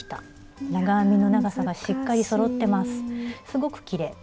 すごくきれい。